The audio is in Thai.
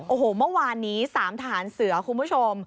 โอ้โหเมื่อวานนี้๓ทหารเสือคุณผู้ชม